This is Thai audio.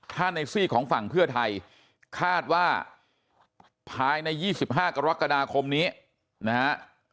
ถ้าในซีกของฝั่งเพื่อไทยคาดว่าภายใน๒๕กรกฎาคมนี้นะฮะ